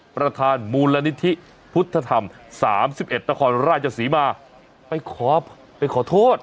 ประธานมูลนิธิพุทธธรรม๓๑นครราชศรีมาไปขอไปขอโทษ